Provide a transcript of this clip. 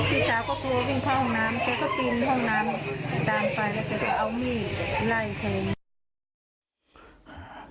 พี่สาวก็กลัววิ่งเข้าห้องน้ำแกก็ปีนห้องน้ำตามไปแล้วแกก็เอามีดไล่แทง